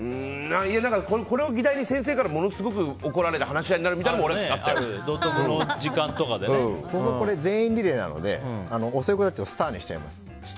これを議題に、先生からものすごく怒られて話し合いになる全員リレーなので遅い子たちをスターにしちゃいます。